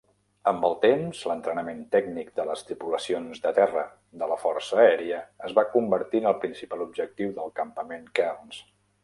Amb el temps, l'entrenament tècnic de les tripulacions de terra de la Força Aèria es va convertir en el principal objectiu del Campament Kearns.